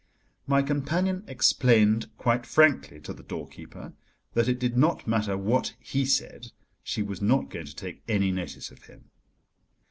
My companion explained quite frankly to the doorkeeper that it did not matter what he said, she was not going to take any notice of him.